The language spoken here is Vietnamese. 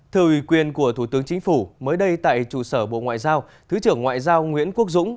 thưa ủy quyền của thủ tướng chính phủ mới đây tại trụ sở bộ ngoại giao thứ trưởng ngoại giao nguyễn quốc dũng